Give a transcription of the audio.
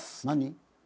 何？